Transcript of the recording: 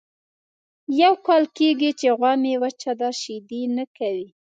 یو کال کېږي چې غوا مې وچه ده شیدې نه کوي.